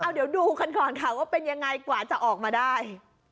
เดี๋ยวดูกันก่อนค่ะว่าเป็นยังไงกว่าจะออกมาได้